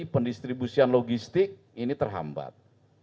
pendistribusian logistik ini terhambat